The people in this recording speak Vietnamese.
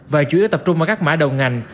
và chủ yếu tập trung ở các mã đầu ngành